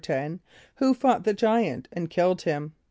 = =10.= Who fought the giant and killed him?